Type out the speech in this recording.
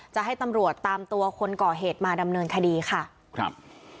จะให้ตำรวจตามตัวคนก่อเหตุมาดำเนินคดีค่ะครับ